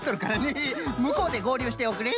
むこうでごうりゅうしておくれ！